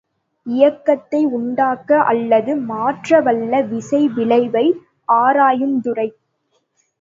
இயக்கத்தை உண்டாக்க அல்லது மாற்றவல்ல விசை விளைவை ஆராயுந்துறை.